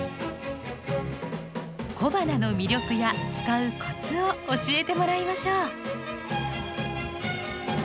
小花の魅力や使うコツを教えてもらいましょう。